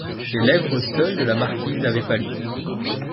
Les lèvres seules de la marquise avaient pâli.